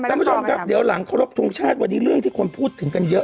ท่านผู้ชมครับเดี๋ยวหลังครบทรงชาติวันนี้เรื่องที่คนพูดถึงกันเยอะ